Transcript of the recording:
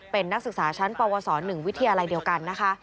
เป็นนักศึกษาชั้นปวส๑วิทยาลัยเดียวกันนะคะ